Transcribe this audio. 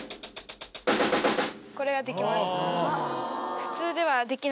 これができます。